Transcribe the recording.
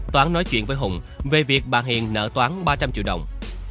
toán nói chuyện với hùng về việc bà hiền nợ toán ba trăm linh triệu đồng